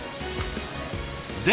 で